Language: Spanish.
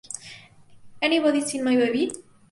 Anybody Seen My Baby?